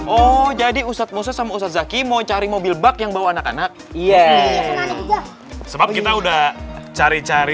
oh jadi ustadz mose sama ustadz zaki mau cari mobil bak yang bawa anak anak iya sebab kita udah cari cari